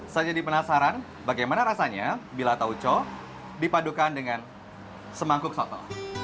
saya jadi penasaran bagaimana rasanya bila tauco dipadukan dengan semangkuk soto